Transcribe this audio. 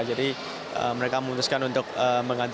jadi mereka memutuskan untuk mengganti